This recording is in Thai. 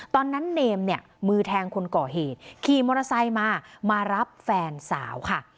เนมเนี่ยมือแทงคนก่อเหตุขี่มอเตอร์ไซค์มามารับแฟนสาวค่ะ